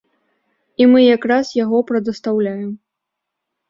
І мы якраз яго прадастаўляем.